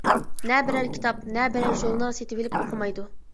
نە بىرەر كىتاب، نە بىرەر ژۇرنال سېتىۋېلىپ ئوقۇمايدۇ.